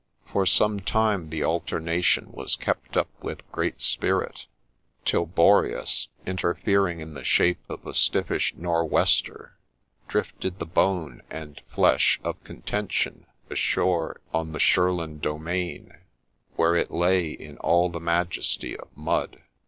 For some time the alternation was kept up with great spirit, till Boreas, interfering in the shape of a stiffish ' Nor' wester,' drifted the bone (and flesh) of contention ashore on the Shurland domain, where it lay in all the majesty of mud.